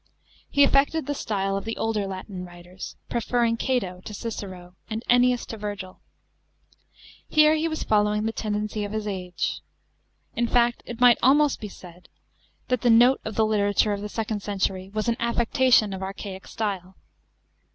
He affected the style of the older Latin writers, pre ferring Cato to Cicero and Ennius to Virgil. Here he was following the tendency of his age. In fact it might almost be said that the 552 LITERATURE. CHAP. XXK. " note " of the literature of the second century was an affectation of archaic style.